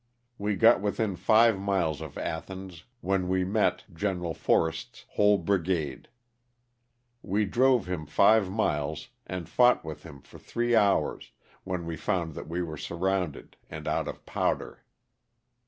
We got within five miles of Athens when we met Gen. Forrest's whole brigade. We drove him five miles and fought with him for three hours, when we found that we were surrounded and out of powder.